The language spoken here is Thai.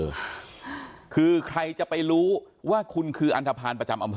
อ่าคือใครจะไปรู้ว่าคุณคืออันทภาณประจำอำเภอ